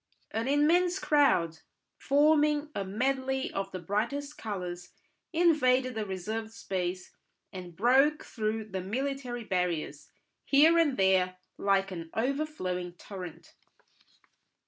An immense crowd, forming a medley of the brightest colours, invaded the reserved space and broke through the military barriers, here and there, like an overflowing torrent.